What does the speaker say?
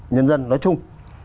nhân dân nói chung